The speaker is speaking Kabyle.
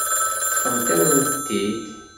Ṭṭfent-awen-tent-id.